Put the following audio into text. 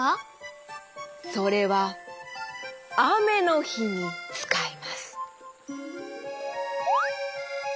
それはあめのひにつかいます。